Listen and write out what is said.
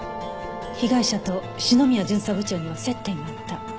被害者と篠宮巡査部長には接点があった。